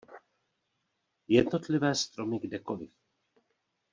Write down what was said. Jednotlivé stromy kdekoliv.